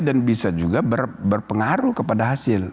dan bisa juga berpengaruh kepada hasil